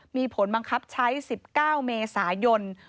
มีผลบังคับใช้๑๙เมษายน